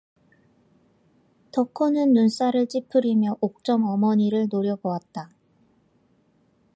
덕호는 눈살을 찌푸리며 옥점 어머니를 노려보았다.